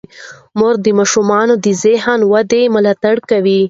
مور د ماشومانو د ذهني ودې ملاتړ کوي.